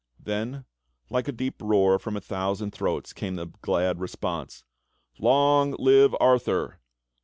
Then, like a deep roar, from a thousand throats came the glad response : "Long live Arthur!